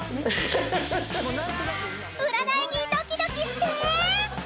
［占いにドキドキして］